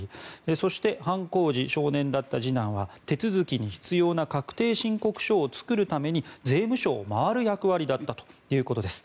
そして、犯行時少年だった次男は手続きに必要な確定申告書を作るために税務署を回る役割だったということです。